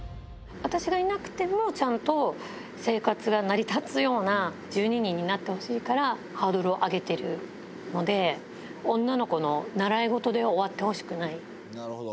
私がいなくても、ちゃんと生活が成り立つような１２人になってほしいから、ハードルを上げてるので、女の子の習い事で終わってほしくない。